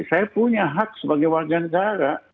saya punya hak sebagai warga negara